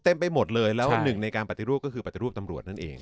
ไปหมดเลยแล้วหนึ่งในการปฏิรูปก็คือปฏิรูปตำรวจนั่นเอง